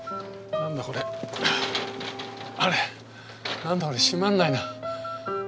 何だこれ閉まんないな。